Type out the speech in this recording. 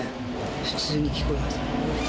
普通に聞こえます。